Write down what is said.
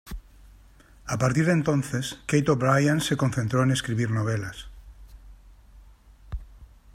A partir de entonces, Kate O'Brien se concentró en escribir novelas.